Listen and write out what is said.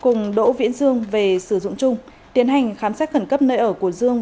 cùng đỗ viễn dương về sử dụng chung tiến hành khám xét khẩn cấp nơi ở của dương